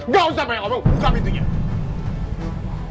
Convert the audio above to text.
gak usah bayi